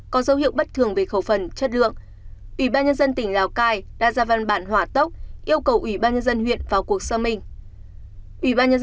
có dấu hiệu bất thường về khẩu phần chất lượng ủy ban nhân dân tỉnh lào cai đã ra văn bản hỏa tốc yêu cầu ủy ban nhân dân huyện vào cuộc xác minh